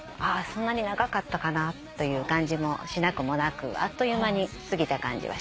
そんなに長かったかなという感じもしなくもなくあっという間に過ぎた感じします。